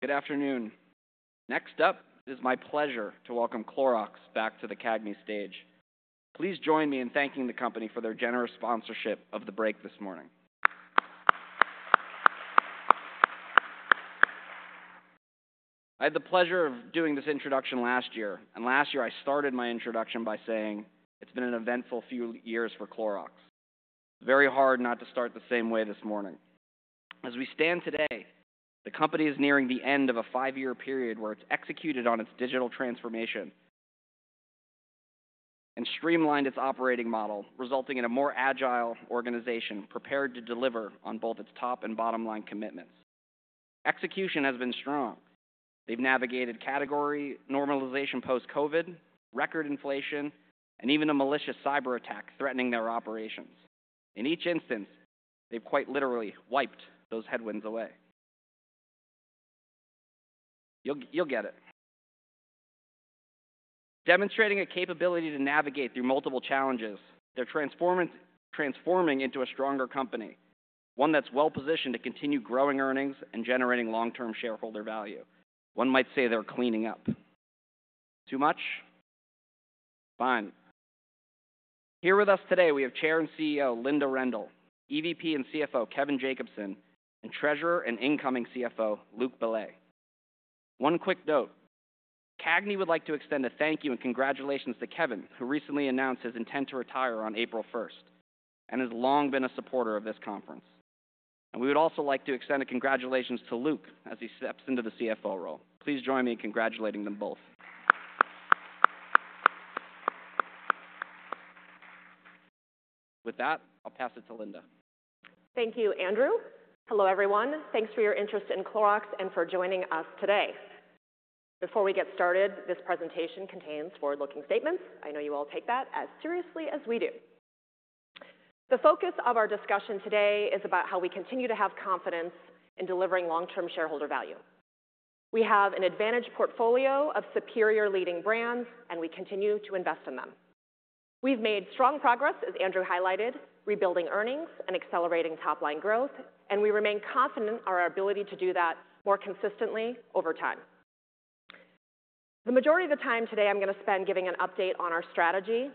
Good afternoon. Next up, it is my pleasure to welcome Clorox back to the CAGNY stage. Please join me in thanking the company for their generous sponsorship of the break this morning. I had the pleasure of doing this introduction last year, and last year I started my introduction by saying, "It's been an eventful few years for Clorox." Very hard not to start the same way this morning. As we stand today, the company is nearing the end of a five-year period where it's executed on its digital transformation and streamlined its operating model, resulting in a more agile organization prepared to deliver on both its top and bottom-line commitments. Execution has been strong. They've navigated category normalization post-COVID, record inflation, and even a malicious cyber attack threatening their operations. In each instance, they've quite literally wiped those headwinds away. You'll get it. Demonstrating a capability to navigate through multiple challenges, they're transforming into a stronger company, one that's well-positioned to continue growing earnings and generating long-term shareholder value. One might say they're cleaning up. Too much? Fine. Here with us today, we have Chair and CEO Linda Rendle, EVP and CFO Kevin Jacobsen, and Treasurer and incoming CFO Luke Bellet. One quick note: CAGNY would like to extend a thank you and congratulations to Kevin, who recently announced his intent to retire on April 1st and has long been a supporter of this conference. And we would also like to extend a congratulations to Luke as he steps into the CFO role. Please join me in congratulating them both. With that, I'll pass it to Linda. Thank you, Andrew. Hello, everyone. Thanks for your interest in Clorox and for joining us today. Before we get started, this presentation contains forward-looking statements. I know you all take that as seriously as we do. The focus of our discussion today is about how we continue to have confidence in delivering long-term shareholder value. We have an advantaged portfolio of superior leading brands, and we continue to invest in them. We've made strong progress, as Andrew highlighted, rebuilding earnings and accelerating top-line growth, and we remain confident in our ability to do that more consistently over time. The majority of the time today, I'm going to spend giving an update on our strategy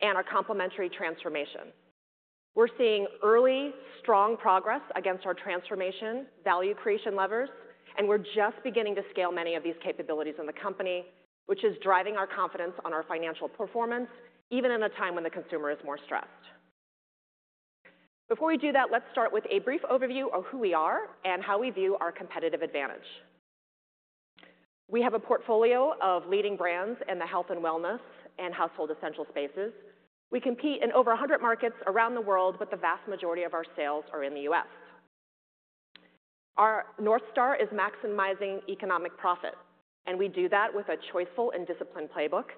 and our complementary transformation. We're seeing early, strong progress against our transformation value creation levers, and we're just beginning to scale many of these capabilities in the company, which is driving our confidence on our financial performance, even in a time when the consumer is more stressed. Before we do that, let's start with a brief overview of who we are and how we view our competitive advantage. We have a portfolio of leading brands in the health and wellness and household essential spaces. We compete in over 100 markets around the world, but the vast majority of our sales are in the U.S. Our North Star is maximizing economic profit, and we do that with a choiceful and disciplined playbook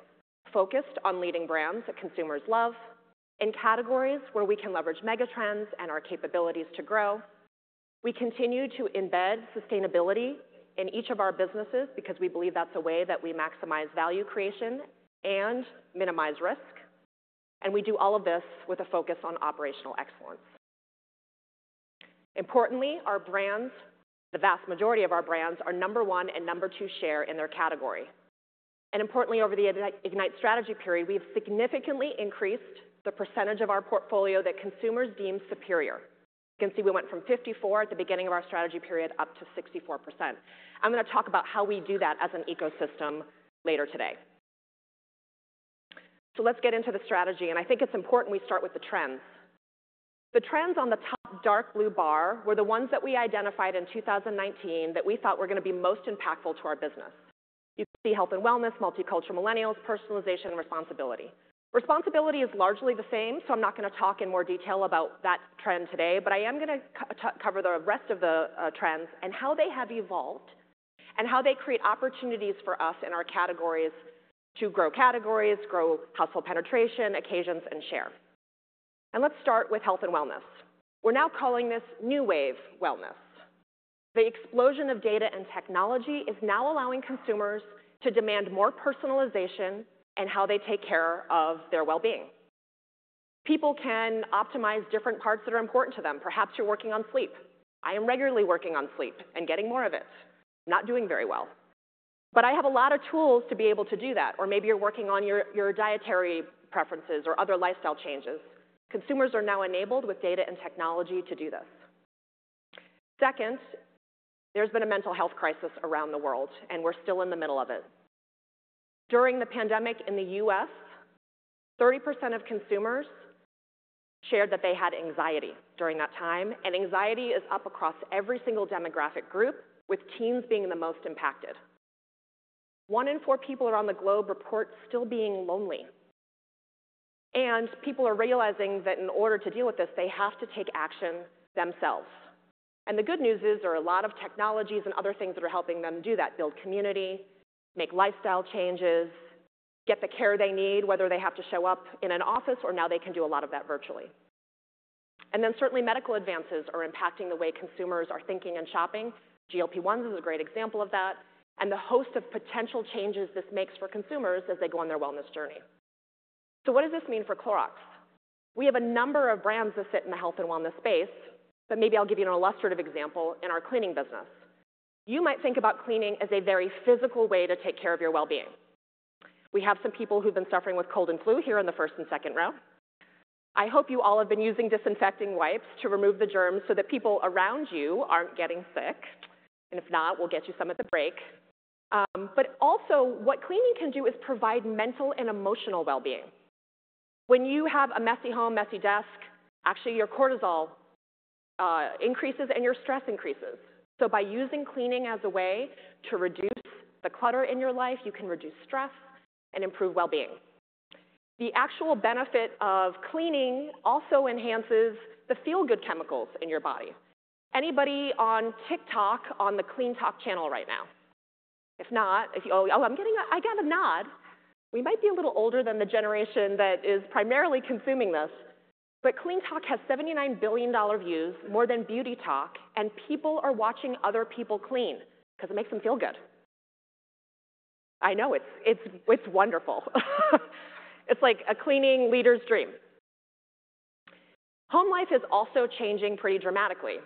focused on leading brands that consumers love in categories where we can leverage megatrends and our capabilities to grow. We continue to embed sustainability in each of our businesses because we believe that's a way that we maximize value creation and minimize risk, and we do all of this with a focus on operational excellence. Importantly, our brands, the vast majority of our brands, are number one and number two share in their category. And importantly, over the Ignite Strategy period, we have significantly increased the percentage of our portfolio that consumers deem superior. You can see we went from 54% at the beginning of our strategy period up to 64%. I'm going to talk about how we do that as an ecosystem later today. So let's get into the strategy, and I think it's important we start with the trends. The trends on the top dark blue bar were the ones that we identified in 2019 that we thought were going to be most impactful to our business. You can see health and wellness, multicultural millennials, personalization, and responsibility. Responsibility is largely the same, so I'm not going to talk in more detail about that trend today, but I am going to cover the rest of the trends and how they have evolved and how they create opportunities for us in our categories to grow categories, grow household penetration, occasions, and share, and let's start with health and wellness. We're now calling this new wave wellness. The explosion of data and technology is now allowing consumers to demand more personalization in how they take care of their well-being. People can optimize different parts that are important to them. Perhaps you're working on sleep. I am regularly working on sleep and getting more of it. I'm not doing very well. But I have a lot of tools to be able to do that, or maybe you're working on your dietary preferences or other lifestyle changes. Consumers are now enabled with data and technology to do this. Second, there's been a mental health crisis around the world, and we're still in the middle of it. During the pandemic in the U.S., 30% of consumers shared that they had anxiety during that time, and anxiety is up across every single demographic group, with teens being the most impacted. One in four people around the globe report still being lonely, and people are realizing that in order to deal with this, they have to take action themselves. And the good news is there are a lot of technologies and other things that are helping them do that: build community, make lifestyle changes, get the care they need, whether they have to show up in an office or now they can do a lot of that virtually. And then certainly, medical advances are impacting the way consumers are thinking and shopping. GLP-1 is a great example of that, and a host of potential changes this makes for consumers as they go on their wellness journey. So what does this mean for Clorox? We have a number of brands that sit in the health and wellness space, but maybe I'll give you an illustrative example in our cleaning business. You might think about cleaning as a very physical way to take care of your well-being. We have some people who've been suffering with cold and flu here in the first and second row. I hope you all have been using disinfecting wipes to remove the germs so that people around you aren't getting sick. And if not, we'll get you some at the break. But also, what cleaning can do is provide mental and emotional well-being. When you have a messy home, messy desk, actually your cortisol increases and your stress increases. So by using cleaning as a way to reduce the clutter in your life, you can reduce stress and improve well-being. The actual benefit of cleaning also enhances the feel-good chemicals in your body. Anybody on TikTok on the CleanTok channel right now? If not, if you're like, "Oh, I'm getting a nod," we might be a little older than the generation that is primarily consuming this, but CleanTok has 79 billion views, more than BeautyTok, and people are watching other people clean because it makes them feel good. I know it's wonderful. It's like a cleaning leader's dream. Home life is also changing pretty dramatically,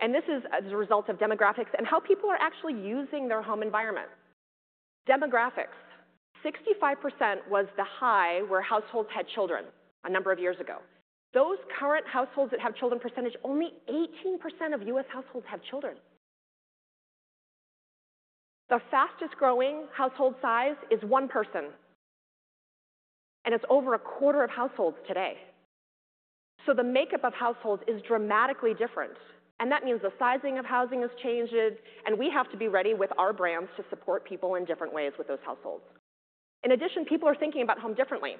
and this is as a result of demographics and how people are actually using their home environment. Demographics: 65% was the high where households had children a number of years ago. Those current households that have children percentage, only 18% of U.S. households have children. The fastest growing household size is one person, and it's over a quarter of households today. The makeup of households is dramatically different, and that means the sizing of housing has changed, and we have to be ready with our brands to support people in different ways with those households. In addition, people are thinking about home differently.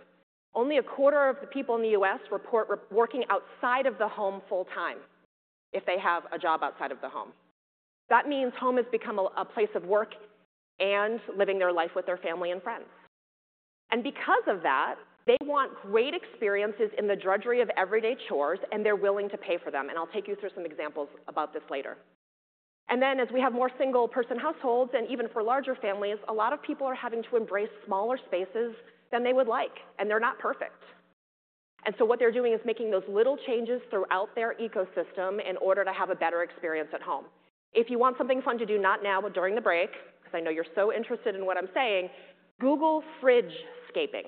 Only a quarter of the people in the U.S. report working outside of the home full-time if they have a job outside of the home. That means home has become a place of work and living their life with their family and friends. Because of that, they want great experiences in the drudgery of everyday chores, and they're willing to pay for them. I'll take you through some examples about this later. Then, as we have more single-person households and even for larger families, a lot of people are having to embrace smaller spaces than they would like, and they're not perfect. So what they're doing is making those little changes throughout their ecosystem in order to have a better experience at home. If you want something fun to do not now, but during the break, because I know you're so interested in what I'm saying, Google fridge-scaping.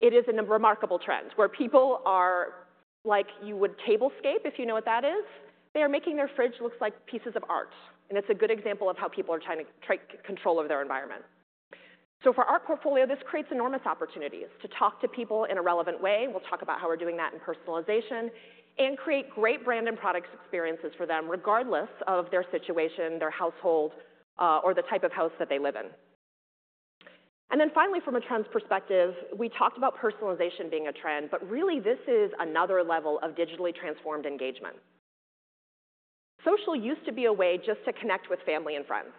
It is a remarkable trend where people are like you would tablescape if you know what that is. They are making their fridge look like pieces of art, and it's a good example of how people are trying to take control of their environment. So for our portfolio, this creates enormous opportunities to talk to people in a relevant way. We'll talk about how we're doing that in personalization and create great brand and product experiences for them regardless of their situation, their household, or the type of house that they live in. And then finally, from a trends perspective, we talked about personalization being a trend, but really this is another level of digitally transformed engagement. Social used to be a way just to connect with family and friends.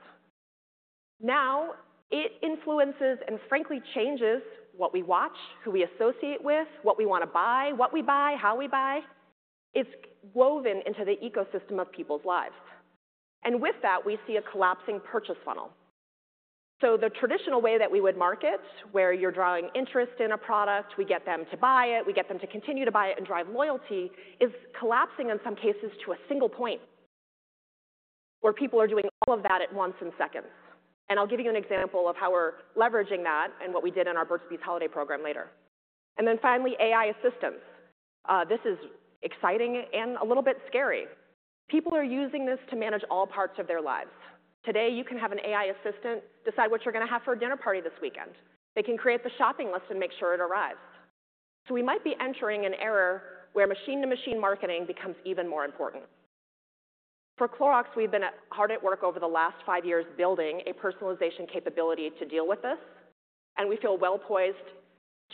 Now it influences and frankly changes what we watch, who we associate with, what we want to buy, what we buy, how we buy. It's woven into the ecosystem of people's lives. And with that, we see a collapsing purchase funnel. So the traditional way that we would market, where you're drawing interest in a product, we get them to buy it, we get them to continue to buy it and drive loyalty, is collapsing in some cases to a single point where people are doing all of that at once in seconds. I'll give you an example of how we're leveraging that and what we did in our Burt's Bees holiday program later. And then finally, AI assistance. This is exciting and a little bit scary. People are using this to manage all parts of their lives. Today, you can have an AI assistant decide what you're going to have for a dinner party this weekend. They can create the shopping list and make sure it arrives. So we might be entering an era where machine-to-machine marketing becomes even more important. For Clorox, we've been hard at work over the last five years building a personalization capability to deal with this, and we feel well poised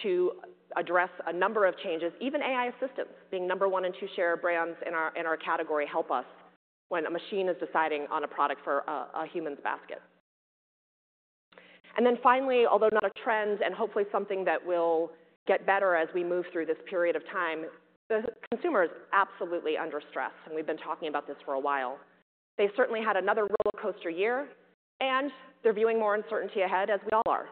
to address a number of changes, even AI assistants. Being number one and two share brands in our category help us when a machine is deciding on a product for a human's basket. And then finally, although not a trend and hopefully something that will get better as we move through this period of time, the consumer is absolutely under stress, and we've been talking about this for a while. They certainly had another roller coaster year, and they're viewing more uncertainty ahead as we all are.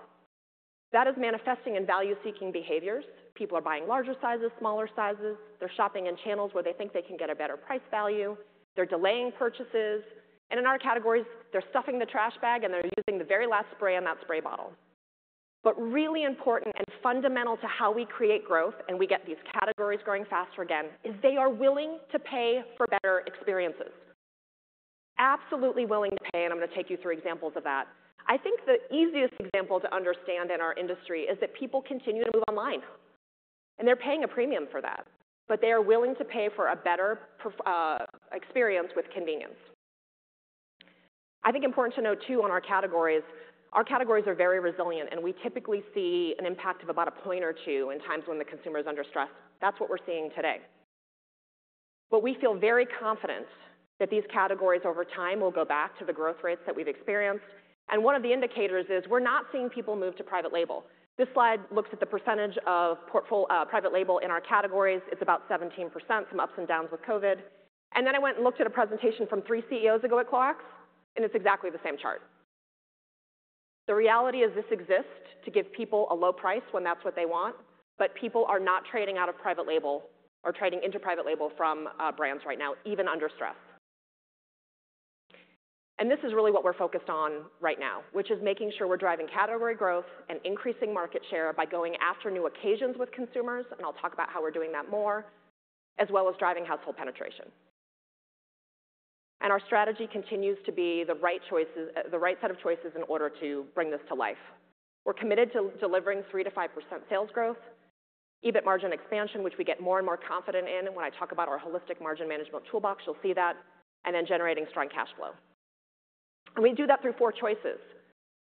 That is manifesting in value-seeking behaviors. People are buying larger sizes, smaller sizes. They're shopping in channels where they think they can get a better price value. They're delaying purchases. And in our categories, they're stuffing the trash bag and they're using the very last spray in that spray bottle. But really important and fundamental to how we create growth and we get these categories growing faster again is they are willing to pay for better experiences. Absolutely willing to pay, and I'm going to take you through examples of that. I think the easiest example to understand in our industry is that people continue to move online, and they're paying a premium for that, but they are willing to pay for a better experience with convenience. I think important to note too on our categories. Our categories are very resilient, and we typically see an impact of about a point or two in times when the consumer is under stress. That's what we're seeing today. We feel very confident that these categories over time will go back to the growth rates that we've experienced, and one of the indicators is we're not seeing people move to private label. This slide looks at the percentage of private label in our categories. It's about 17%, some ups and downs with COVID. Then I went and looked at a presentation from three CEOs ago at Clorox, and it's exactly the same chart. The reality is this exists to give people a low price when that's what they want, but people are not trading out of private label or trading into private label from brands right now, even under stress. This is really what we're focused on right now, which is making sure we're driving category growth and increasing market share by going after new occasions with consumers, and I'll talk about how we're doing that more, as well as driving household penetration. Our strategy continues to be the right set of choices in order to bring this to life. We're committed to delivering 3%-5% sales growth, EBIT margin expansion, which we get more and more confident in. And when I talk about our Holistic Margin Management toolbox, you'll see that, and then generating strong cash flow. We do that through four choices.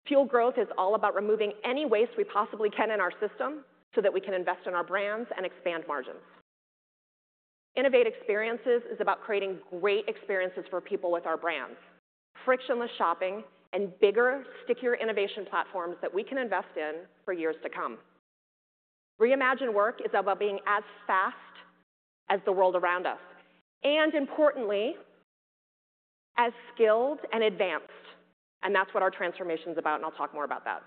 Fuel growth is all about removing any waste we possibly can in our system so that we can invest in our brands and expand margins. Innovate experiences is about creating great experiences for people with our brands, frictionless shopping, and bigger, stickier innovation platforms that we can invest in for years to come. Reimagine work is about being as fast as the world around us, and importantly, as skilled and advanced, and that's what our transformation is about, and I'll talk more about that.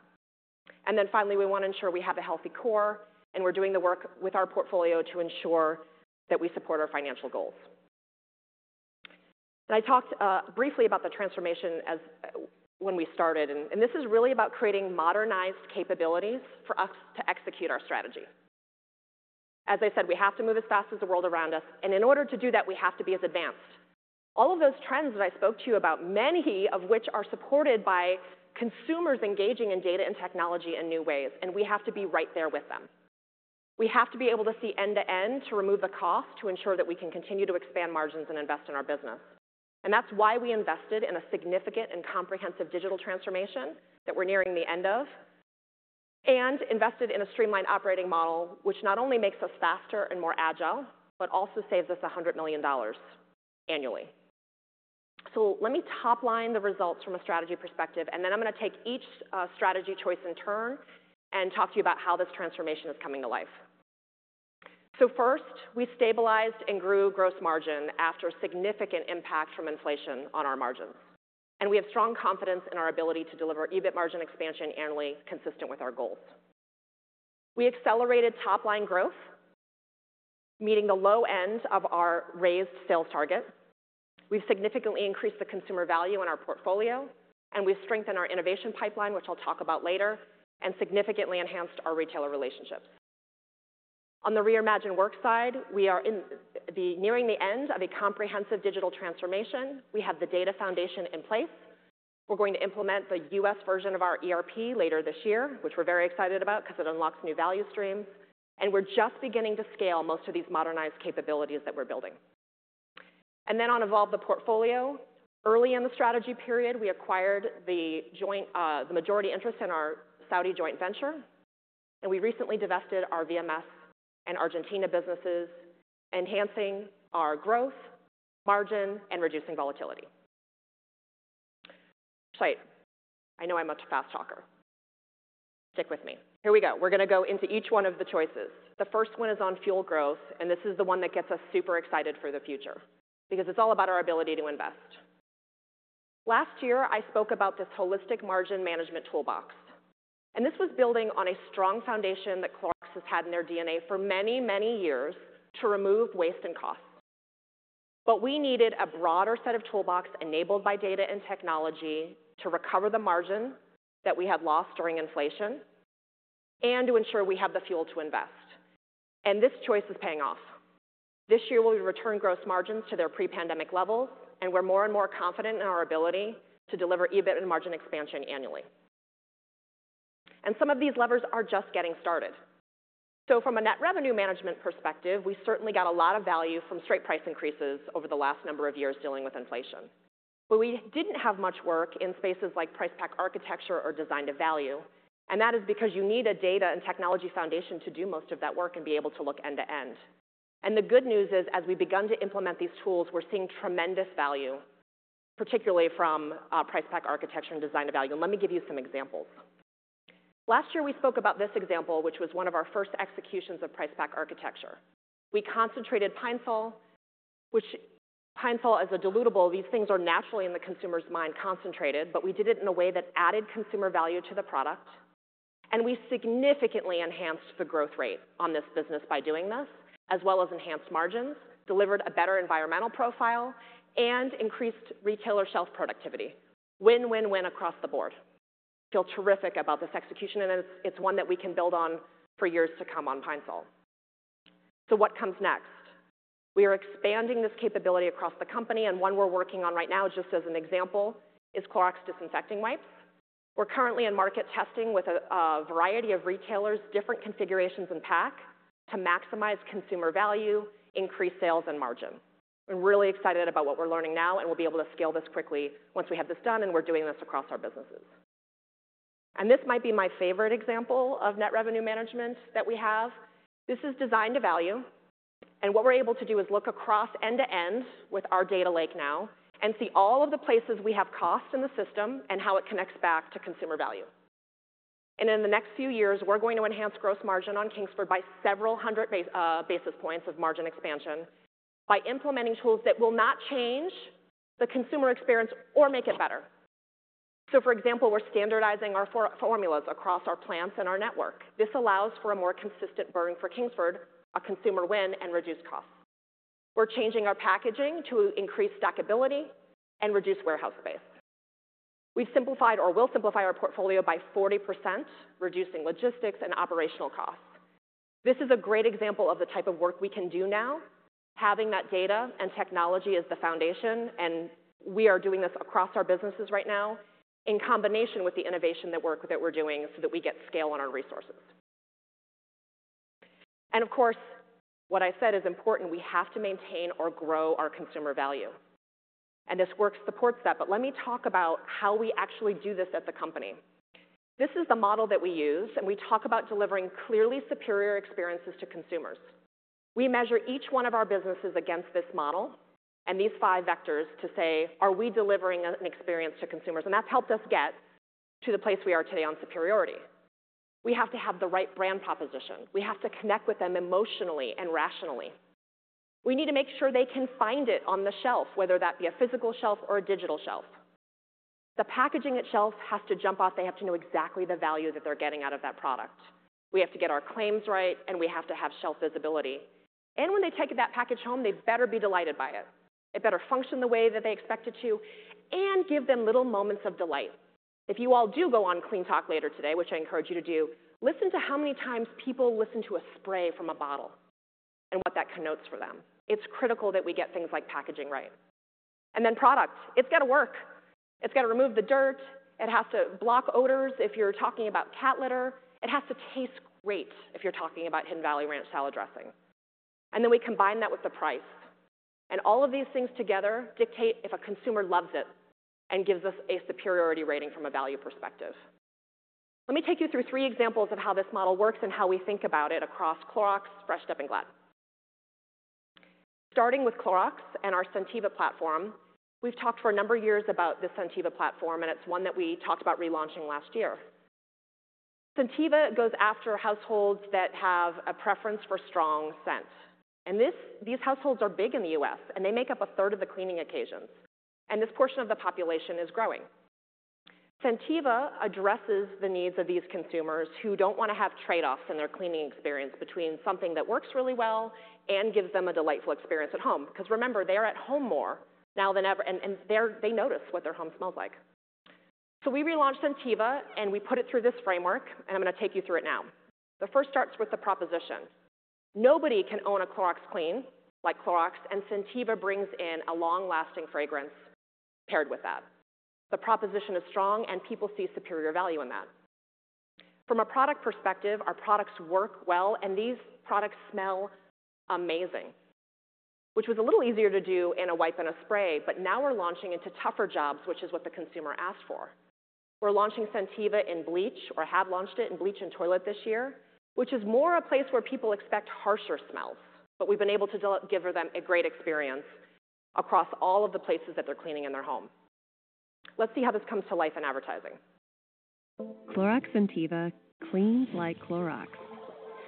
Finally, we want to ensure we have a healthy core, and we're doing the work with our portfolio to ensure that we support our financial goals. I talked briefly about the transformation when we started, and this is really about creating modernized capabilities for us to execute our strategy. As I said, we have to move as fast as the world around us, and in order to do that, we have to be as advanced. All of those trends that I spoke to you about, many of which are supported by consumers engaging in data and technology in new ways, and we have to be right there with them. We have to be able to see end to end to remove the cost to ensure that we can continue to expand margins and invest in our business. And that's why we invested in a significant and comprehensive digital transformation that we're nearing the end of, and invested in a streamlined operating model, which not only makes us faster and more agile, but also saves us $100 million annually. So let me topline the results from a strategy perspective, and then I'm going to take each strategy choice in turn and talk to you about how this transformation is coming to life. So first, we stabilized and grew gross margin after significant impact from inflation on our margins, and we have strong confidence in our ability to deliver EBIT margin expansion annually consistent with our goals. We accelerated top-line growth, meeting the low end of our raised sales target. We've significantly increased the consumer value in our portfolio, and we've strengthened our innovation pipeline, which I'll talk about later, and significantly enhanced our retailer relationships. On the Reimagine Work side, we are nearing the end of a comprehensive digital transformation. We have the data foundation in place. We're going to implement the U.S. version of our ERP later this year, which we're very excited about because it unlocks new value streams, and we're just beginning to scale most of these modernized capabilities that we're building, and then on Evolve the portfolio, early in the strategy period, we acquired the majority interest in our Saudi joint venture, and we recently divested our VMS and Argentina businesses, enhancing our growth, margin, and reducing volatility. I know I'm a fast talker. Stick with me. Here we go. We're going to go into each one of the choices. The first one is on fuel growth, and this is the one that gets us super excited for the future because it's all about our ability to invest. Last year, I spoke about this holistic margin management toolbox, and this was building on a strong foundation that Clorox has had in their DNA for many, many years to remove waste and costs. But we needed a broader set of toolbox enabled by data and technology to recover the margin that we had lost during inflation and to ensure we have the fuel to invest, and this choice is paying off. This year, we'll return gross margins to their pre-pandemic levels, and we're more and more confident in our ability to deliver EBIT and margin expansion annually, and some of these levers are just getting started, so from a net revenue management perspective, we certainly got a lot of value from straight price increases over the last number of years dealing with inflation. But we didn't have much work in spaces like price pack architecture or design to value, and that is because you need a data and technology foundation to do most of that work and be able to look end to end. And the good news is, as we began to implement these tools, we're seeing tremendous value, particularly from price pack architecture and design to value. And let me give you some examples. Last year, we spoke about this example, which was one of our first executions of price pack architecture. We concentrated Pine-Sol, which Pine-Sol is a dilutable. These things are naturally in the consumer's mind concentrated, but we did it in a way that added consumer value to the product, and we significantly enhanced the growth rate on this business by doing this, as well as enhanced margins, delivered a better environmental profile, and increased retailer shelf productivity. Win, win, win across the board. I feel terrific about this execution, and it's one that we can build on for years to come on Pine-Sol. So what comes next? We are expanding this capability across the company, and one we're working on right now, just as an example, is Clorox Disinfecting Wipes. We're currently in market testing with a variety of retailers, different configurations and pack to maximize consumer value, increase sales, and margin. We're really excited about what we're learning now, and we'll be able to scale this quickly once we have this done, and we're doing this across our businesses. And this might be my favorite example of net revenue management that we have. This is Design to Value, and what we're able to do is look across end to end with our data lake now and see all of the places we have cost in the system and how it connects back to consumer value, and in the next few years, we're going to enhance gross margin on Kingsford by several hundred basis points of margin expansion by implementing tools that will not change the consumer experience or make it better, so for example, we're standardizing our formulas across our plants and our network. This allows for a more consistent burn for Kingsford, a consumer win, and reduced costs. We're changing our packaging to increase stackability and reduce warehouse space. We've simplified or will simplify our portfolio by 40%, reducing logistics and operational costs. This is a great example of the type of work we can do now. Having that data and technology is the foundation, and we are doing this across our businesses right now in combination with the innovation that we're doing so that we get scale on our resources. And of course, what I said is important. We have to maintain or grow our consumer value, and this work supports that. But let me talk about how we actually do this at the company. This is the model that we use, and we talk about delivering clearly superior experiences to consumers. We measure each one of our businesses against this model and these five vectors to say, are we delivering an experience to consumers? And that's helped us get to the place we are today on superiority. We have to have the right brand proposition. We have to connect with them emotionally and rationally. We need to make sure they can find it on the shelf, whether that be a physical shelf or a digital shelf. The packaging itself has to jump off. They have to know exactly the value that they're getting out of that product. We have to get our claims right, and we have to have shelf visibility. And when they take that package home, they better be delighted by it. It better function the way that they expect it to and give them little moments of delight. If you all do go on CleanTok later today, which I encourage you to do, listen to how many times people listen to a spray from a bottle and what that connotes for them. It's critical that we get things like packaging right. And then product, it's got to work. It's got to remove the dirt. It has to block odors. If you're talking about cat litter, it has to taste great if you're talking about Hidden Valley Ranch salad dressing. Then we combine that with the price. All of these things together dictate if a consumer loves it and gives us a superiority rating from a value perspective. Let me take you through three examples of how this model works and how we think about it across Clorox, Fresh Step, and Glad. Starting with Clorox and our Scentiva platform, we've talked for a number of years about the Scentiva platform, and it's one that we talked about relaunching last year. Scentiva goes after households that have a preference for strong scent. These households are big in the U.S., and they make up a third of the cleaning occasions. This portion of the population is growing. Scentiva addresses the needs of these consumers who don't want to have trade-offs in their cleaning experience between something that works really well and gives them a delightful experience at home. Because remember, they are at home more now than ever, and they notice what their home smells like. So we relaunched Scentiva, and we put it through this framework, and I'm going to take you through it now. The first starts with the proposition. Nobody can own a Clorox clean like Clorox, and Scentiva brings in a long-lasting fragrance paired with that. The proposition is strong, and people see superior value in that. From a product perspective, our products work well, and these products smell amazing, which was a little easier to do in a wipe and a spray, but now we're launching into tougher jobs, which is what the consumer asked for. We're launching Scentiva in bleach or have launched it in bleach and toilet this year, which is more a place where people expect harsher smells, but we've been able to deliver them a great experience across all of the places that they're cleaning in their home. Let's see how this comes to life in advertising. Clorox Scentiva cleans like Clorox.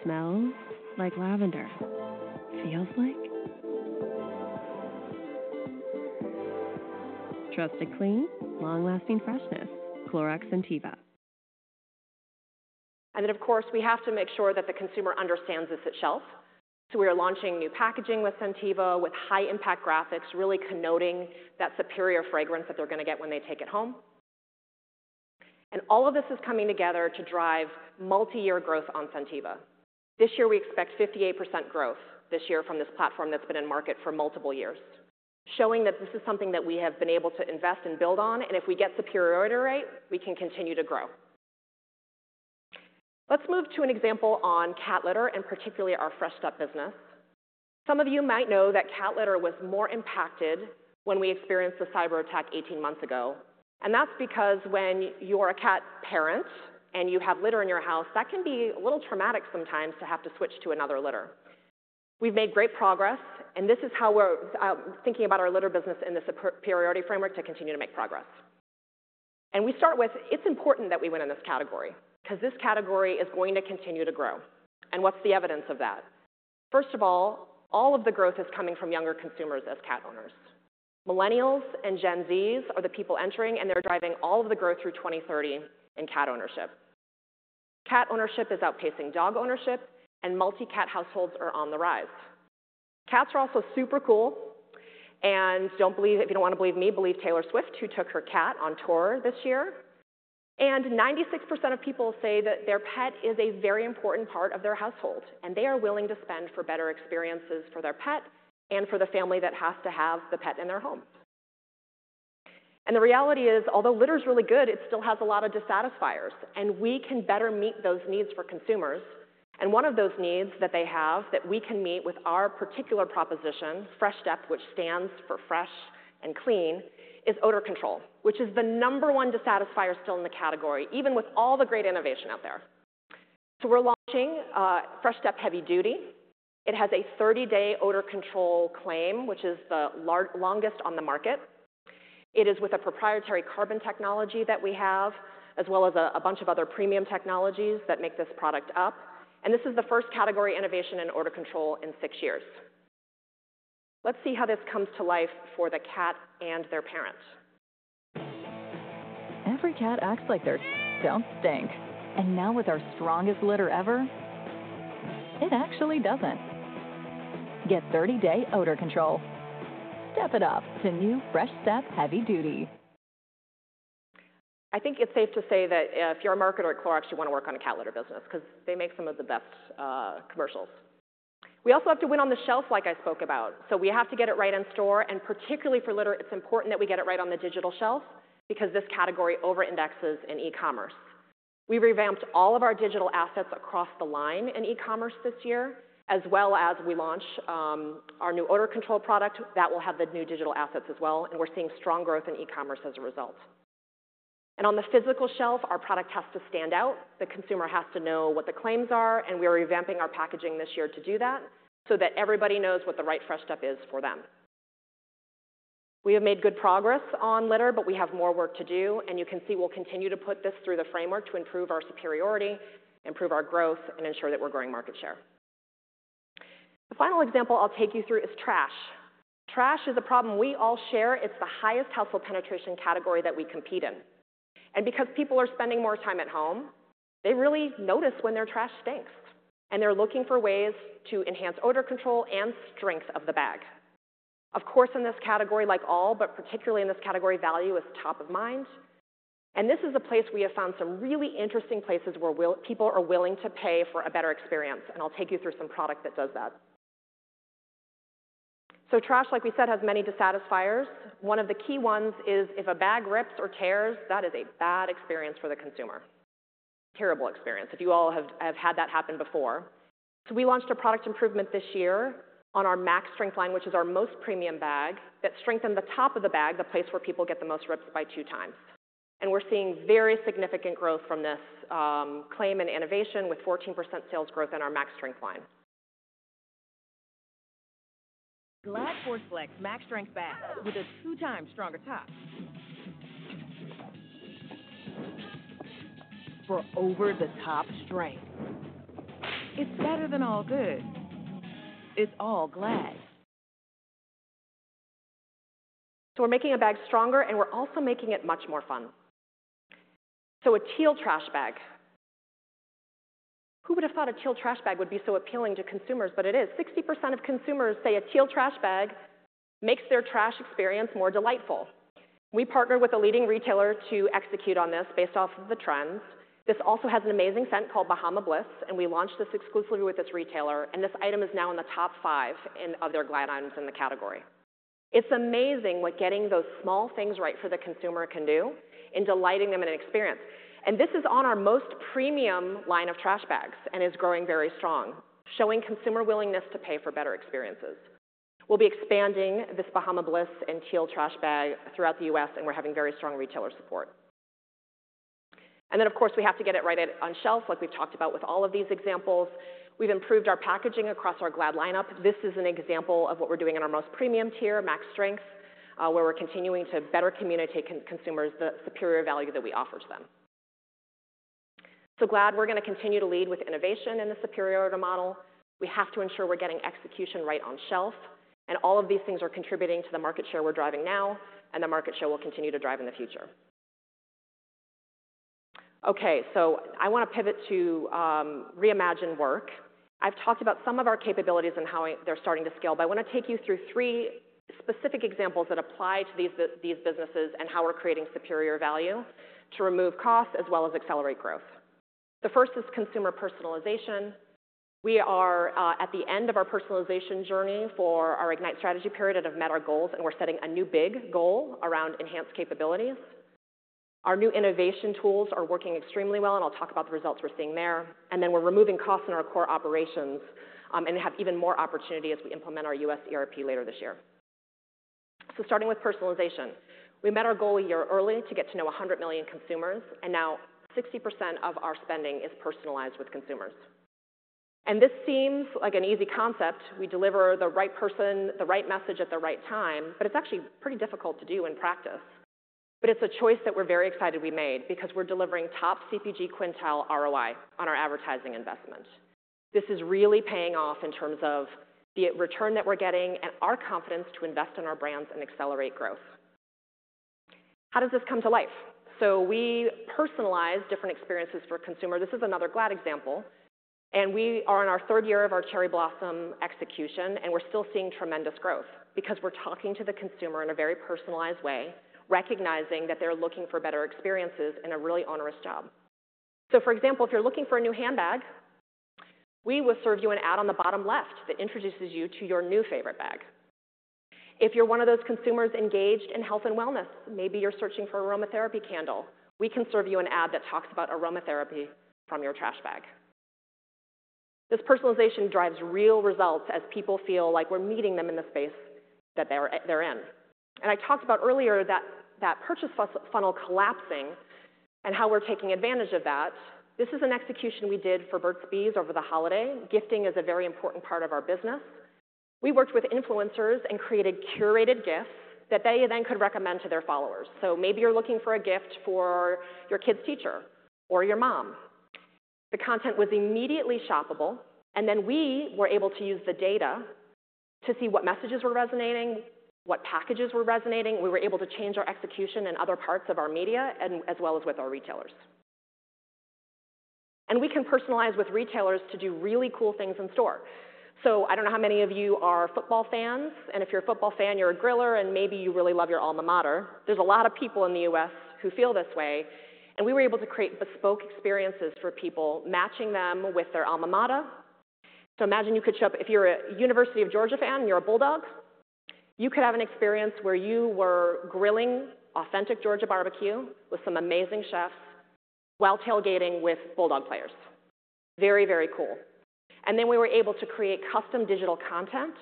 Smells like lavender. Feels like... Trusted clean, long-lasting freshness. Clorox Scentiva. And then, of course, we have to make sure that the consumer understands this at shelf. So we are launching new packaging with Scentiva with high-impact graphics really connoting that superior fragrance that they're going to get when they take it home. And all of this is coming together to drive multi-year growth on Scentiva. This year, we expect 58% growth this year from this platform that's been in market for multiple years, showing that this is something that we have been able to invest and build on, and if we get superiority right, we can continue to grow. Let's move to an example on cat litter and particularly our Fresh Step business. Some of you might know that cat litter was more impacted when we experienced the cyber attack 18 months ago, and that's because when you're a cat parent and you have litter in your house, that can be a little traumatic sometimes to have to switch to another litter. We've made great progress, and this is how we're thinking about our litter business in this superiority framework to continue to make progress. We start with it’s important that we win in this category because this category is going to continue to grow. And what’s the evidence of that? First of all, all of the growth is coming from younger consumers as cat owners. Millennials and Gen Zs are the people entering, and they’re driving all of the growth through 2030 in cat ownership. Cat ownership is outpacing dog ownership, and multi-cat households are on the rise. Cats are also super cool, and don’t believe if you don’t want to believe me, believe Taylor Swift who took her cat on tour this year. And 96% of people say that their pet is a very important part of their household, and they are willing to spend for better experiences for their pet and for the family that has to have the pet in their home. The reality is, although litter is really good, it still has a lot of dissatisfiers, and we can better meet those needs for consumers. One of those needs that they have that we can meet with our particular proposition, Fresh Step, which stands for fresh and clean, is odor control, which is the number one dissatisfier still in the category, even with all the great innovation out there. We're launching Fresh Step Heavy Duty. It has a 30-day odor control claim, which is the longest on the market. It is with a proprietary carbon technology that we have, as well as a bunch of other premium technologies that make this product up. This is the first category innovation in odor control in six years. Let's see how this comes to life for the cat and their parent. Every cat acts like their scent don't stink. And now with our strongest litter ever, it actually doesn't get 30-day odor control. Step it up to new Fresh Step Heavy Duty. I think it's safe to say that if you're a marketer at Clorox, you want to work on a cat litter business because they make some of the best commercials. We also have to win on the shelf, like I spoke about, so we have to get it right in store. And particularly for litter, it's important that we get it right on the digital shelf because this category over-indexes in e-commerce. We revamped all of our digital assets across the line in e-commerce this year, as well as we launched our new odor control product that will have the new digital assets as well, and we're seeing strong growth in e-commerce as a result, and on the physical shelf, our product has to stand out. The consumer has to know what the claims are, and we are revamping our packaging this year to do that so that everybody knows what the right fresh stuff is for them. We have made good progress on litter, but we have more work to do. And you can see we'll continue to put this through the framework to improve our superiority, improve our growth, and ensure that we're growing market share. The final example I'll take you through is trash. Trash is a problem we all share. It's the highest household penetration category that we compete in. And because people are spending more time at home, they really notice when their trash stinks, and they're looking for ways to enhance odor control and strength of the bag. Of course, in this category, like all, but particularly in this category, value is top of mind. This is a place we have found some really interesting places where people are willing to pay for a better experience. I'll take you through some product that does that. Trash, like we said, has many dissatisfiers. One of the key ones is if a bag rips or tears, that is a bad experience for the consumer. Terrible experience if you all have had that happen before. We launched a product improvement this year on our MaxStrength line, which is our most premium bag that strengthens the top of the bag, the place where people get the most rips by two times. We're seeing very significant growth from this claim and innovation with 14% sales growth in our MaxStrength line. Glad ForceFlex MaxStrength bag with a two-times stronger top. For over-the-top strength, it's better than all good. It's all Glad. We're making a bag stronger, and we're also making it much more fun. A teal trash bag. Who would have thought a teal trash bag would be so appealing to consumers? It is. 60% of consumers say a teal trash bag makes their trash experience more delightful. We partnered with a leading retailer to execute on this based off of the trends. This also has an amazing scent called Bahama Bliss, and we launched this exclusively with this retailer. This item is now in the top five of their Glad items in the category. It's amazing what getting those small things right for the consumer can do and delighting them in an experience. This is on our most premium line of trash bags and is growing very strong, showing consumer willingness to pay for better experiences. We'll be expanding this Bahama Bliss and teal trash bag throughout the U.S., and we're having very strong retailer support. And then, of course, we have to get it right on shelf, like we've talked about with all of these examples. We've improved our packaging across our Glad lineup. This is an example of what we're doing in our most premium tier, MaxStrength, where we're continuing to better communicate to consumers the superior value that we offer to them. So Glad, we're going to continue to lead with innovation in the superiority model. We have to ensure we're getting execution right on shelf. And all of these things are contributing to the market share we're driving now, and the market share will continue to drive in the future. Okay, so I want to pivot to reimagine work. I've talked about some of our capabilities and how they're starting to scale, but I want to take you through three specific examples that apply to these businesses and how we're creating superior value to remove costs as well as accelerate growth. The first is consumer personalization. We are at the end of our personalization journey for our Ignite Strategy period and have met our goals, and we're setting a new big goal around enhanced capabilities. Our new innovation tools are working extremely well, and I'll talk about the results we're seeing there. And then we're removing costs in our core operations and have even more opportunity as we implement our U.S. ERP later this year. So starting with personalization, we met our goal a year early to get to know 100 million consumers, and now 60% of our spending is personalized with consumers. This seems like an easy concept. We deliver the right person, the right message at the right time, but it's actually pretty difficult to do in practice. But it's a choice that we're very excited we made because we're delivering top CPG quintile ROI on our advertising investment. This is really paying off in terms of the return that we're getting and our confidence to invest in our brands and accelerate growth. How does this come to life? We personalize different experiences for consumer. This is another Glad example. We are in our third year of our cherry blossom execution, and we're still seeing tremendous growth because we're talking to the consumer in a very personalized way, recognizing that they're looking for better experiences in a really onerous job. For example, if you're looking for a new handbag, we will serve you an ad on the bottom left that introduces you to your new favorite bag. If you're one of those consumers engaged in health and wellness, maybe you're searching for an aromatherapy candle, we can serve you an ad that talks about aromatherapy from your trash bag. This personalization drives real results as people feel like we're meeting them in the space that they're in. And I talked about earlier that purchase funnel collapsing and how we're taking advantage of that. This is an execution we did for Burt's Bees over the holiday. Gifting is a very important part of our business. We worked with influencers and created curated gifts that they then could recommend to their followers. So maybe you're looking for a gift for your kid's teacher or your mom. The content was immediately shoppable, and then we were able to use the data to see what messages were resonating, what packages were resonating. We were able to change our execution in other parts of our media as well as with our retailers. And we can personalize with retailers to do really cool things in store. So I don't know how many of you are football fans, and if you're a football fan, you're a griller, and maybe you really love your alma mater. There's a lot of people in the U.S. who feel this way. And we were able to create bespoke experiences for people, matching them with their alma mater. So imagine you could show up if you're a University of Georgia fan and you're a Bulldog, you could have an experience where you were grilling authentic Georgia barbecue with some amazing chefs while tailgating with Bulldog players. Very, very cool. And then we were able to create custom digital content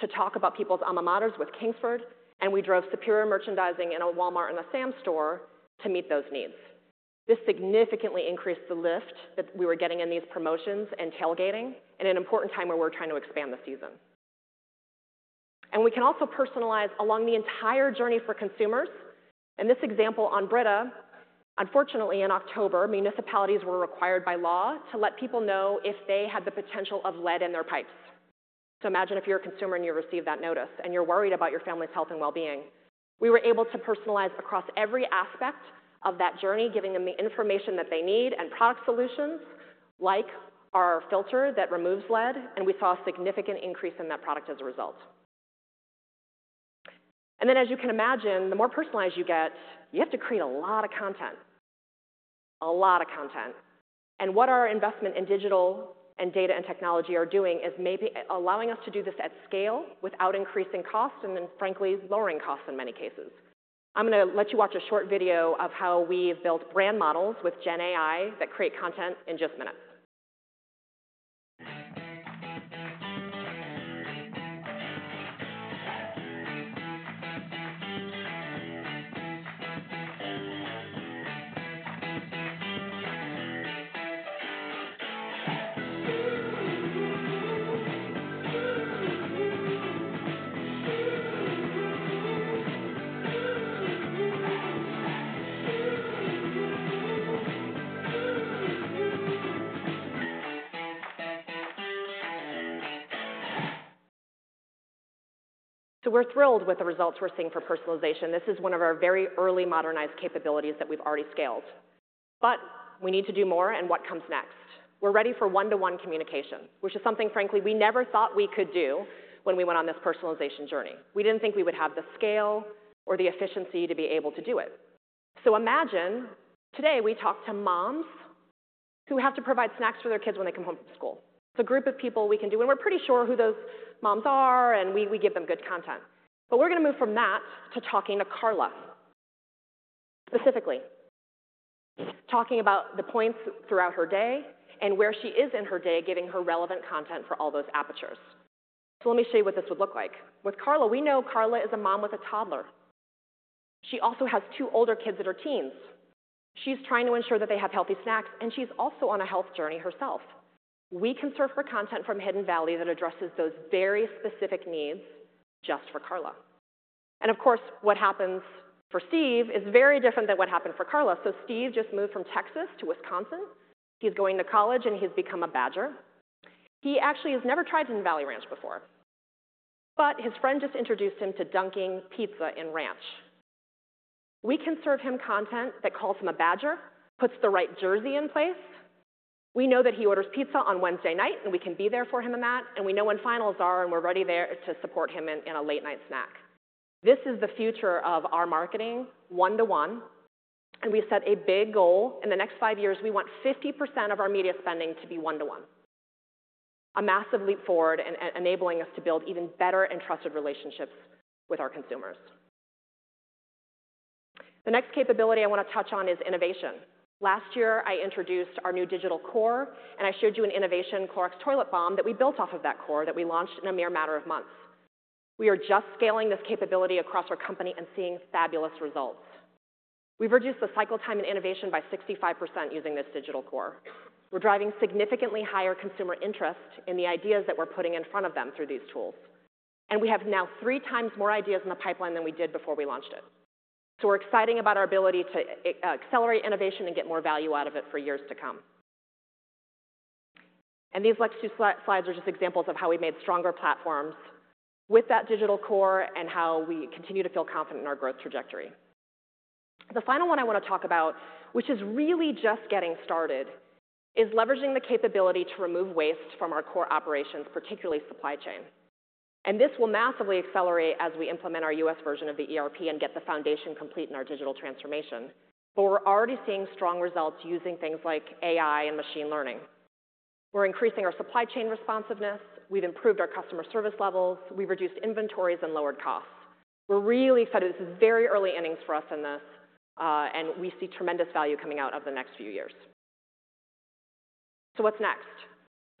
to talk about people's alma maters with Kingsford, and we drove superior merchandising in a Walmart and a Sam's store to meet those needs. This significantly increased the lift that we were getting in these promotions and tailgating in an important time where we're trying to expand the season. And we can also personalize along the entire journey for consumers. In this example on Brita, unfortunately, in October, municipalities were required by law to let people know if they had the potential of lead in their pipes. So imagine if you're a consumer and you receive that notice and you're worried about your family's health and well-being. We were able to personalize across every aspect of that journey, giving them the information that they need and product solutions like our filter that removes lead, and we saw a significant increase in that product as a result, and then, as you can imagine, the more personalized you get, you have to create a lot of content, a lot of content. And what our investment in digital and data and technology are doing is maybe allowing us to do this at scale without increasing costs and then, frankly, lowering costs in many cases. I'm going to let you watch a short video of how we've built brand models with Gen AI that create content in just minutes, so we're thrilled with the results we're seeing for personalization. This is one of our very early modernized capabilities that we've already scaled. But we need to do more, and what comes next? We're ready for one-to-one communication, which is something, frankly, we never thought we could do when we went on this personalization journey. We didn't think we would have the scale or the efficiency to be able to do it. So imagine today we talk to moms who have to provide snacks for their kids when they come home from school. It's a group of people we can do, and we're pretty sure who those moms are, and we give them good content. But we're going to move from that to talking to Carla, specifically talking about the points throughout her day and where she is in her day, giving her relevant content for all those apertures. So let me show you what this would look like. With Carla, we know Carla is a mom with a toddler. She also has two older kids that are teens. She's trying to ensure that they have healthy snacks, and she's also on a health journey herself. We can serve her content from Hidden Valley that addresses those very specific needs just for Carla. Of course, what happens for Steve is very different than what happened for Carla. Steve just moved from Texas to Wisconsin. He's going to college, and he's become a badger. He actually has never tried Hidden Valley Ranch before, but his friend just introduced him to dipping pizza in ranch. We can serve him content that calls him a badger, puts the right jersey in place. We know that he orders pizza on Wednesday night, and we can be there for him in that. We know when finals are, and we're ready there to support him in a late-night snack. This is the future of our marketing one-to-one, and we set a big goal. In the next five years, we want 50% of our media spending to be one-to-one, a massive leap forward and enabling us to build even better and trusted relationships with our consumers. The next capability I want to touch on is innovation. Last year, I introduced our new digital core, and I showed you an innovation, Clorox Toilet Foam, that we built off of that core that we launched in a mere matter of months. We are just scaling this capability across our company and seeing fabulous results. We've reduced the cycle time and innovation by 65% using this digital core. We're driving significantly higher consumer interest in the ideas that we're putting in front of them through these tools. And we have now three times more ideas in the pipeline than we did before we launched it. So we're excited about our ability to accelerate innovation and get more value out of it for years to come. And these next two slides are just examples of how we made stronger platforms with that digital core and how we continue to feel confident in our growth trajectory. The final one I want to talk about, which is really just getting started, is leveraging the capability to remove waste from our core operations, particularly supply chain. And this will massively accelerate as we implement our U.S. version of the ERP and get the foundation complete in our digital transformation. But we're already seeing strong results using things like AI and machine learning. We're increasing our supply chain responsiveness. We've improved our customer service levels. We've reduced inventories and lowered costs. We're really excited. This is very early innings for us in this, and we see tremendous value coming out of the next few years. So what's next?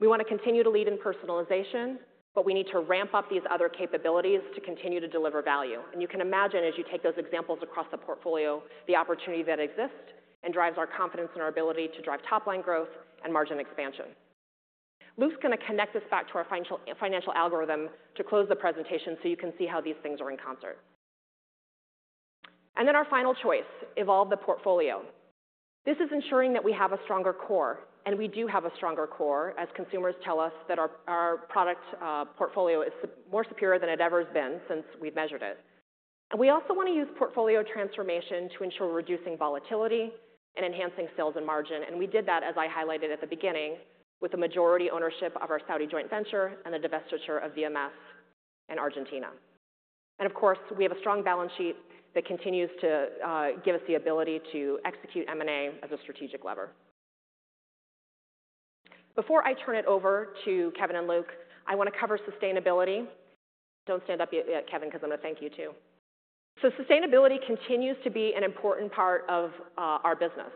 We want to continue to lead in personalization, but we need to ramp up these other capabilities to continue to deliver value. And you can imagine, as you take those examples across the portfolio, the opportunity that exists and drives our confidence in our ability to drive top-line growth and margin expansion. Luke's going to connect us back to our financial algorithm to close the presentation so you can see how these things are in concert. And then our final choice, evolve the portfolio. This is ensuring that we have a stronger core, and we do have a stronger core as consumers tell us that our product portfolio is more superior than it ever has been since we've measured it. And we also want to use portfolio transformation to ensure reducing volatility and enhancing sales and margin. And we did that, as I highlighted at the beginning, with a majority ownership of our Saudi joint venture and the divestiture of VMS in Argentina. And of course, we have a strong balance sheet that continues to give us the ability to execute M&A as a strategic lever. Before I turn it over to Kevin and Luke, I want to cover sustainability. Don't stand up yet, Kevin, because I'm going to thank you too. So sustainability continues to be an important part of our business.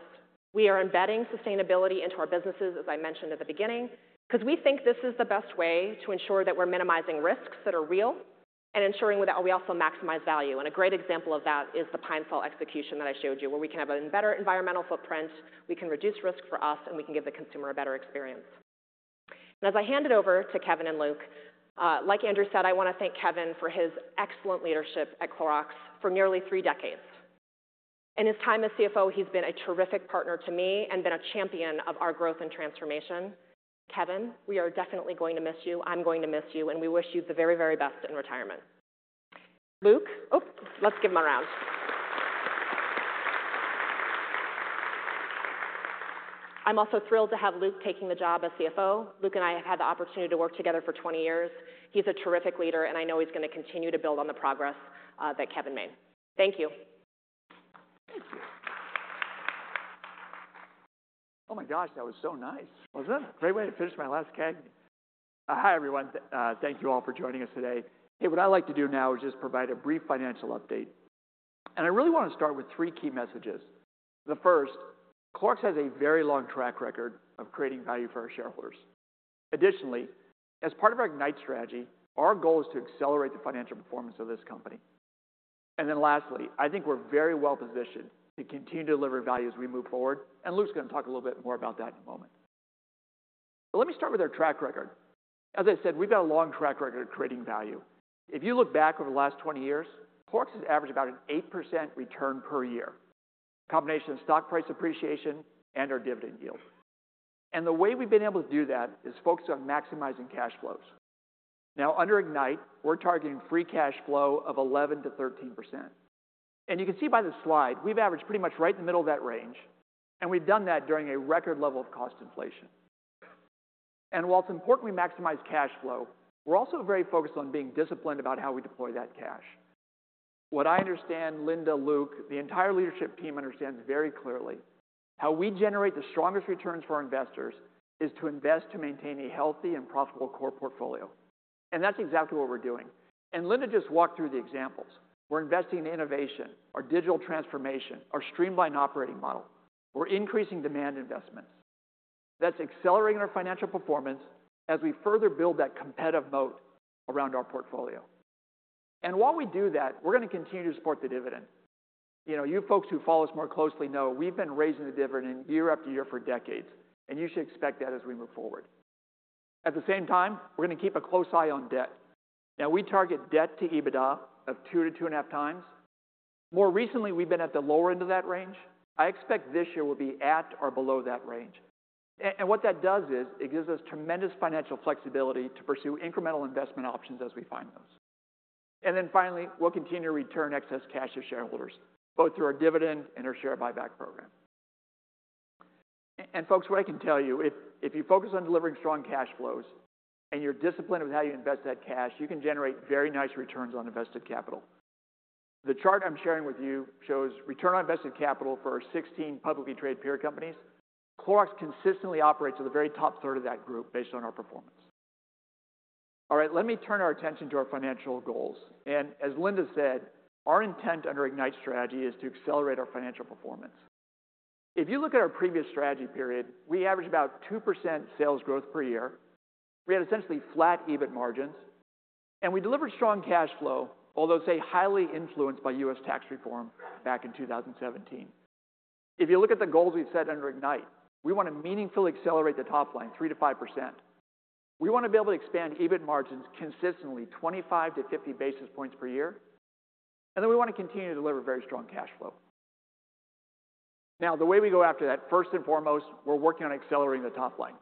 We are embedding sustainability into our businesses, as I mentioned at the beginning, because we think this is the best way to ensure that we're minimizing risks that are real and ensuring that we also maximize value. And a great example of that is the Pine-Sol execution that I showed you, where we can have a better environmental footprint, we can reduce risk for us, and we can give the consumer a better experience. And as I hand it over to Kevin and Luke, like Andrew said, I want to thank Kevin for his excellent leadership at Clorox for nearly three decades. In his time as CFO, he's been a terrific partner to me and been a champion of our growth and transformation. Kevin, we are definitely going to miss you. I'm going to miss you, and we wish you the very, very best in retirement. Luke, oh, let's give him a round. I'm also thrilled to have Luke taking the job as CFO. Luke and I have had the opportunity to work together for 20 years. He's a terrific leader, and I know he's going to continue to build on the progress that Kevin made. Thank you. Thank you. Oh my gosh, that was so nice. Wasn't it? Great way to finish my last leg. Hi, everyone. Thank you all for joining us today. Hey, what I'd like to do now is just provide a brief financial update, and I really want to start with three key messages. The first, Clorox has a very long track record of creating value for our shareholders. Additionally, as part of our Ignite Strategy, our goal is to accelerate the financial performance of this company, and then lastly, I think we're very well positioned to continue to deliver value as we move forward, and Luke's going to talk a little bit more about that in a moment. Let me start with our track record. As I said, we've got a long track record of creating value. If you look back over the last 20 years, Clorox has averaged about an 8% return per year, a combination of stock price appreciation and our dividend yield, and the way we've been able to do that is focus on maximizing cash flows. Now, under Ignite, we're targeting free cash flow of 11%-13%. You can see by the slide, we've averaged pretty much right in the middle of that range, and we've done that during a record level of cost inflation, and while it's important we maximize cash flow, we're also very focused on being disciplined about how we deploy that cash. What I understand, Linda, Luke, the entire leadership team understands very clearly. How we generate the strongest returns for our investors is to invest to maintain a healthy and profitable core portfolio. That's exactly what we're doing. Linda just walked through the examples. We're investing in innovation, our digital transformation, our streamlined operating model. We're increasing demand investments. That's accelerating our financial performance as we further build that competitive moat around our portfolio. While we do that, we're going to continue to support the dividend. You folks who follow us more closely know we've been raising the dividend year after year for decades, and you should expect that as we move forward. At the same time, we're going to keep a close eye on debt. Now, we target debt to EBITDA of two to two and a half times. More recently, we've been at the lower end of that range. I expect this year we'll be at or below that range. What that does is it gives us tremendous financial flexibility to pursue incremental investment options as we find those. Finally, we'll continue to return excess cash to shareholders, both through our dividend and our share buyback program. Folks, what I can tell you, if you focus on delivering strong cash flows and you're disciplined with how you invest that cash, you can generate very nice returns on invested capital. The chart I'm sharing with you shows return on invested capital for our 16 publicly traded peer companies. Clorox consistently operates at the very top third of that group based on our performance. All right, let me turn our attention to our financial goals. As Linda said, our intent under Ignite Strategy is to accelerate our financial performance. If you look at our previous strategy period, we averaged about 2% sales growth per year. We had essentially flat EBIT margins, and we delivered strong cash flow, although, say, highly influenced by U.S. tax reform back in 2017. If you look at the goals we've set under Ignite, we want to meaningfully accelerate the top line 3%-5%. We want to be able to expand EBIT margins consistently 25-50 basis points per year. And then we want to continue to deliver very strong cash flow. Now, the way we go after that, first and foremost, we're working on accelerating the top line.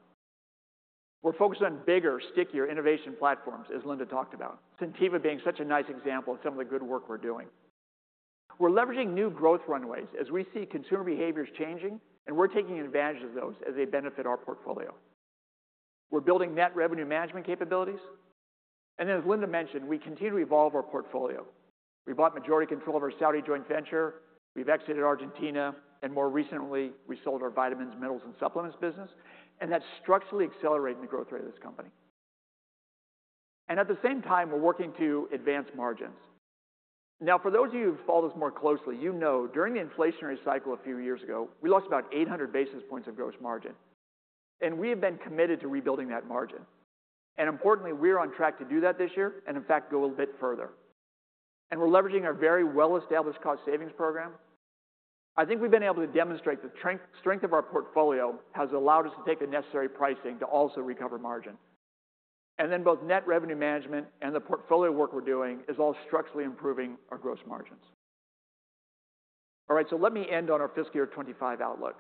We're focused on bigger, stickier innovation platforms, as Linda talked about, Scentiva being such a nice example of some of the good work we're doing. We're leveraging new growth runways as we see consumer behaviors changing, and we're taking advantage of those as they benefit our portfolio. We're building net revenue management capabilities. And then, as Linda mentioned, we continue to evolve our portfolio. We bought majority control of our Saudi joint venture. We've exited Argentina, and more recently, we sold our vitamins, minerals, and supplements business. And that's structurally accelerating the growth rate of this company. And at the same time, we're working to advance margins. Now, for those of you who follow this more closely, you know during the inflationary cycle a few years ago, we lost about 800 basis points of gross margin. And we have been committed to rebuilding that margin. And importantly, we're on track to do that this year and, in fact, go a little bit further. And we're leveraging our very well-established cost savings program. I think we've been able to demonstrate the strength of our portfolio has allowed us to take the necessary pricing to also recover margin. And then both net revenue management and the portfolio work we're doing is all structurally improving our gross margins. All right, so let me end on our fiscal year 2025 outlook.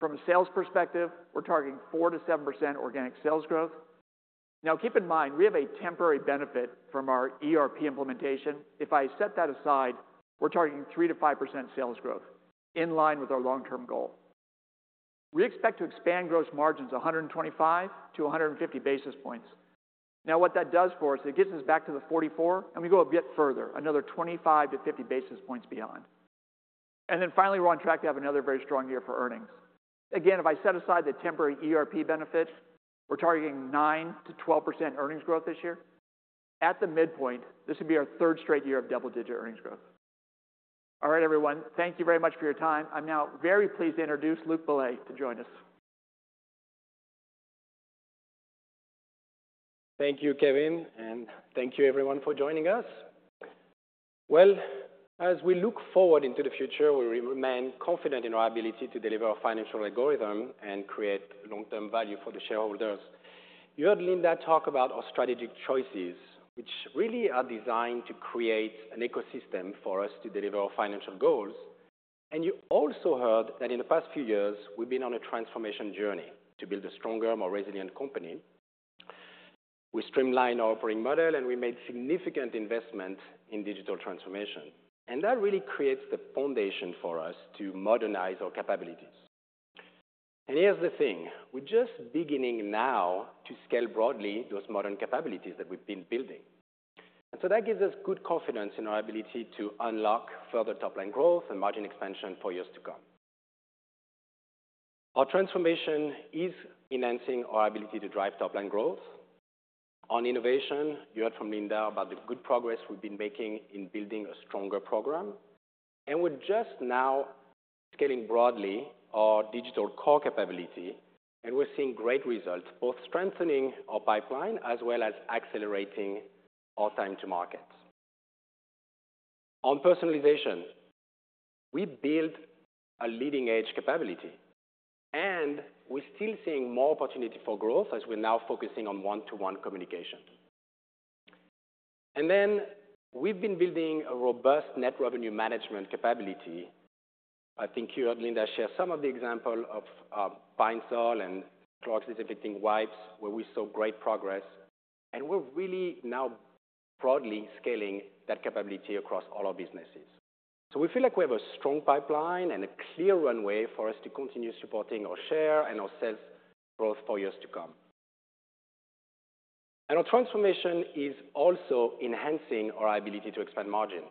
From a sales perspective, we're targeting 4%-7% organic sales growth. Now, keep in mind, we have a temporary benefit from our ERP implementation. If I set that aside, we're targeting 3%-5% sales growth in line with our long-term goal. We expect to expand gross margins 125-150 basis points. Now, what that does for us, it gets us back to the 44%, and we go a bit further, another 20-50 basis points beyond. And then finally, we're on track to have another very strong year for earnings. Again, if I set aside the temporary ERP benefit, we're targeting 9%-12% earnings growth this year. At the midpoint, this would be our third straight year of double-digit earnings growth. All right, everyone, thank you very much for your time. I'm now very pleased to introduce Luc Bellet to join us. Thank you, Kevin, and thank you, everyone, for joining us. As we look forward into the future, we remain confident in our ability to deliver a financial algorithm and create long-term value for the shareholders. You heard Linda talk about our strategic choices, which really are designed to create an ecosystem for us to deliver our financial goals. You also heard that in the past few years, we've been on a transformation journey to build a stronger, more resilient company. We streamlined our operating model, and we made significant investment in digital transformation. That really creates the foundation for us to modernize our capabilities. Here's the thing, we're just beginning now to scale broadly those modern capabilities that we've been building. That gives us good confidence in our ability to unlock further top-line growth and margin expansion for years to come. Our transformation is enhancing our ability to drive top-line growth. On innovation, you heard from Linda about the good progress we've been making in building a stronger program, and we're just now scaling broadly our Digital Core capability, and we're seeing great results, both strengthening our pipeline as well as accelerating our time to market. On personalization, we build a leading-edge capability, and we're still seeing more opportunity for growth as we're now focusing on one-to-one communication, and then we've been building a robust Net Revenue Management capability. I think you heard Linda share some of the example of Pine-Sol and Clorox Disinfecting Wipes, where we saw great progress, and we're really now broadly scaling that capability across all our businesses, so we feel like we have a strong pipeline and a clear runway for us to continue supporting our share and our sales growth for years to come. Our transformation is also enhancing our ability to expand margin.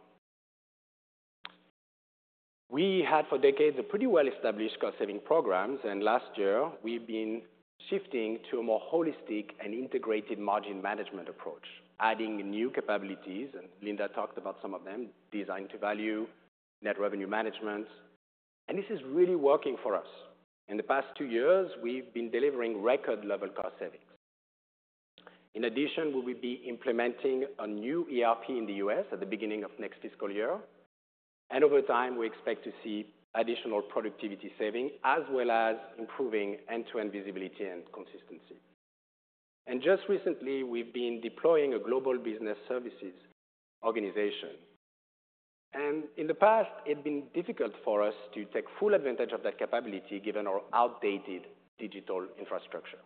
We had for decades a pretty well-established cost-saving programs, and last year, we've been shifting to a more holistic and integrated margin management approach, adding new capabilities, and Linda talked about some of them, Design to Value, Net Revenue Management. And this is really working for us. In the past two years, we've been delivering record-level cost savings. In addition, we will be implementing a new ERP in the U.S. at the beginning of next fiscal year. And over time, we expect to see additional productivity savings as well as improving end-to-end visibility and consistency. And just recently, we've been deploying a Global Business Services organization. And in the past, it had been difficult for us to take full advantage of that capability given our outdated digital infrastructure.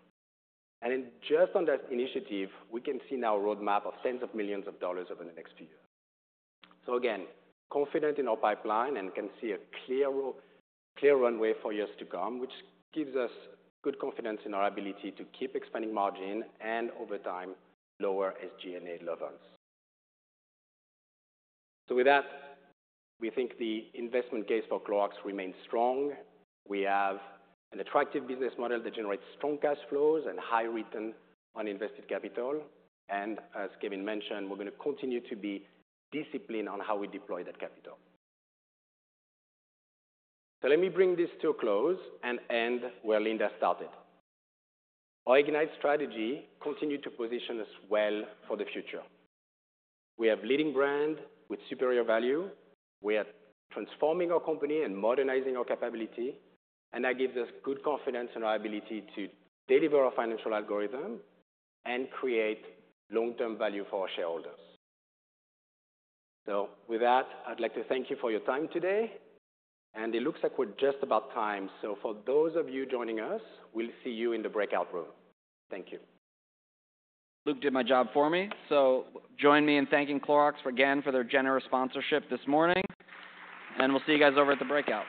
In just on that initiative, we can see now a roadmap of tens of millions of dollars over the next few years. So again, confident in our pipeline and can see a clear runway for years to come, which gives us good confidence in our ability to keep expanding margin and, over time, lower SG&A levels. So with that, we think the investment case for Clorox remains strong. We have an attractive business model that generates strong cash flows and high return on invested capital. And as Kevin mentioned, we're going to continue to be disciplined on how we deploy that capital. So let me bring this to a close and end where Linda started. Our Ignite Strategy continues to position us well for the future. We have a leading brand with superior value. We are transforming our company and modernizing our capability. That gives us good confidence in our ability to deliver our financial algorithm and create long-term value for our shareholders. With that, I'd like to thank you for your time today. It looks like we're just about time. For those of you joining us, we'll see you in the breakout room. Thank you. Luke did my job for me. So join me in thanking Clorox again for their generous sponsorship this morning. And we'll see you guys over at the breakout.